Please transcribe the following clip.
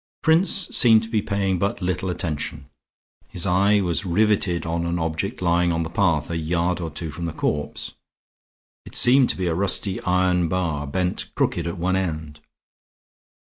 Prince seemed to be paying but little attention; his eye was riveted on an object lying on the path a yard or two from the corpse. It seemed to be a rusty iron bar bent crooked at one end.